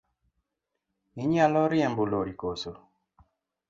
Inyalo riembo lori koso?